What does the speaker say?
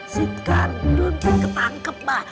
si kandun tuh ketangkep bar